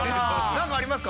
何かありますか？